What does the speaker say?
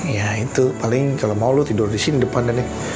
ya itu paling kalau mau lu tidur di sini depan ini